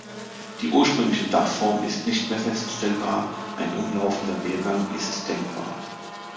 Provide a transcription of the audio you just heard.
Die ursprüngliche Dachform ist nicht mehr feststellbar; ein umlaufender Wehrgang ist denkbar.